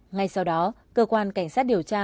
ngay sau đó cơ quan cảnh sát điều tra